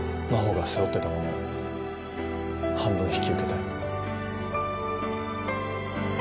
真帆が背負ってたものを半分引き受けたい。